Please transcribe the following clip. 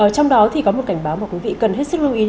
trong đó thì có một cảnh báo mà quý vị cần hết sức lưu ý